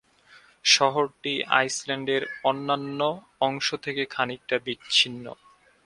শহরটি আইসল্যান্ডের অন্যান্য অংশ থেকে খানিকটা বিচ্ছিন্ন।